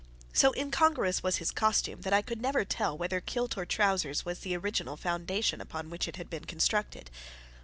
So incongruous was his costume that I could never tell whether kilt or trousers was the original foundation upon which it had been constructed.